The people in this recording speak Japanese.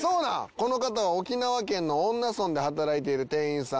この方は沖縄県の恩納村で働いている店員さん。